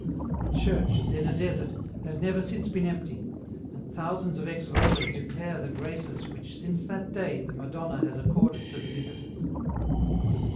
The church, then a desert, has never since been empty, and thousands of ex votos declare the graces which since that day the Madonna has accorded to the visitors."